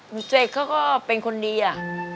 เสกเขาก็เป็นคนดีอะ